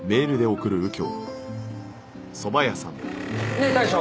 ねえ大将。